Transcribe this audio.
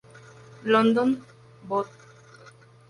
London, Bot.